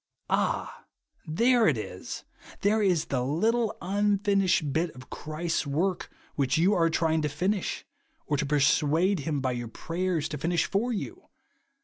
Ah, there it is ! Thei e is the little unfinished hit of Christ's work which you are trying to finish, or to persuade him by your prayers, to finish for you